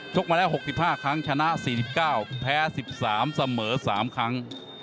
มาแล้ว๖๕ครั้งชนะ๔๙แพ้๑๓เสมอ๓ครั้ง